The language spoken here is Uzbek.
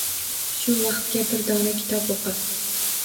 Shu vaqtga bir dona kitob o’qi.